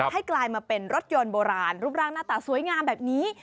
กลายมาเป็นรถยนต์โบราณรูปร่างหน้าตาสวยงามแบบนี้